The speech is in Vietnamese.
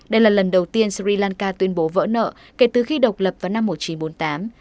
đây là lần đầu tiên sri lanka tuyên bố vỡ nợ kể từ khi độc lập vào năm một nghìn chín trăm bốn mươi tám